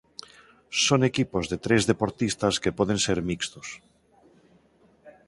Son equipos de tres deportistas que poden ser mixtos.